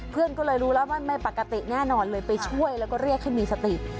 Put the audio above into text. เพื่อนก็เลยรู้แล้วว่าไม่ปกติแน่นอนเลยไปช่วยแล้วก็เรียกให้มีสติ